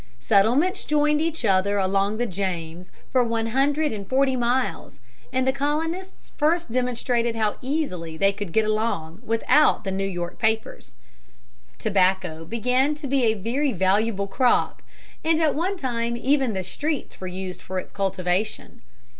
Settlements joined each other along the James for one hundred and forty miles, and the colonists first demonstrated how easily they could get along without the New York papers. Tobacco began to be a very valuable crop, and at one time even the streets were used for its cultivation.